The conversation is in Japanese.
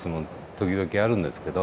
時々あるんですけど。